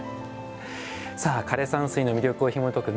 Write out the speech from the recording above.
さあ枯山水の魅力をひもとく